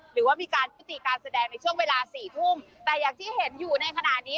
หรือว่ามีการยุติการแสดงในช่วงเวลาสี่ทุ่มแต่อย่างที่เห็นอยู่ในขณะนี้